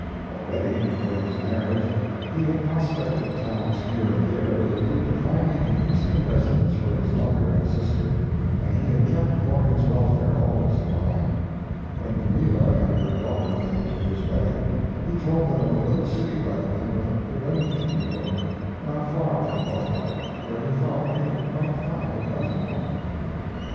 Already, before his marriage, he had prospected towns here and there with a view to finding an Eastern residence for his mother and sister, and he had kept Orion's welfare always in mind. When Pamela and her daughter came to his wedding he told them of a little city by the name of Fredonia (New York), not far from Buffalo, where he thought they might find a pleasant home.